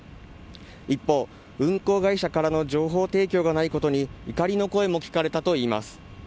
一方、運航会社からの情報提供がないことに怒りの声も聞かれたといいます。